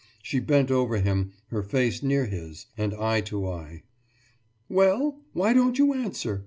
She bent over him, her face near his, and eye to eye. »Well? Why don't you answer?